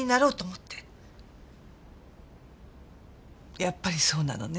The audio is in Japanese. やっぱりそうなのね？